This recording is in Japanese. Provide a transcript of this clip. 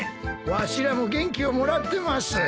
わしらも元気をもらってます。